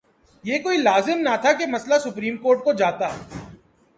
یہ کوئی لازم نہ تھا کہ مسئلہ سپریم کورٹ کو جاتا۔